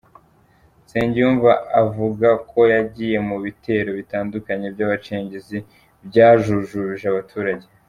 Nsengiyumva avuga ko yagiye mu bitero bitandukanye by’abacengezi byajujubije abaturage.